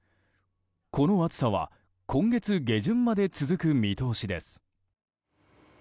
この暑さは今月下旬まで続く見通しです。